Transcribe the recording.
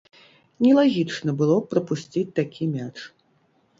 Нелагічна было б прапусціць такі мяч.